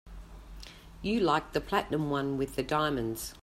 You liked the platinum one with the diamonds.